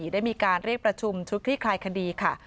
ได้มีการเรียกประชุมชุดคลี่คลายคดีค่ะ